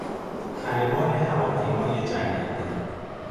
خلبان هواپیمای جنگنده